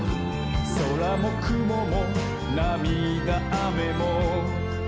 「そらもくももなみだあめも」